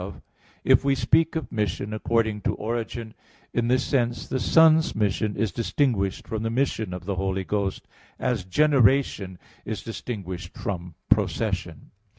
1), if we speak of mission according to origin, in this sense the Son's mission is distinguished from the mission of the Holy Ghost, as generation is distinguished from procession.